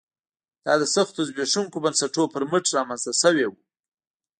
دا د سختو زبېښونکو بنسټونو پر مټ رامنځته شوی و